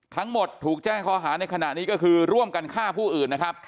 ทั้งหมดถูกแจ้งข้อหาในขณะนี้ก็คือร่วมกันฆ่าผู้อื่นนะครับ